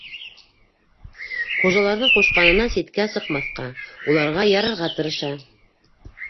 Хужаларҙың ҡушҡанынан ситкә сыҡмаҫҡа, уларға ярарға тырыша.